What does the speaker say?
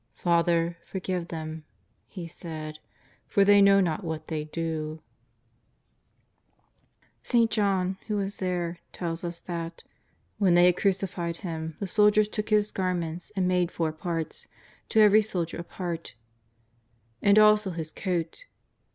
'' Father, forgive them," He said, '' for they know not what they do/' St. John, who was there, tells us that ^^ when they had crucified Him, the soldiers took His garments and 360 JESUS OF NAZAEETH. made four parts, to every soldier a part, and also His coat.